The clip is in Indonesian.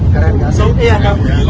keren gak sih